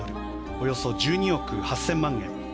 およそ１２億８０００万円。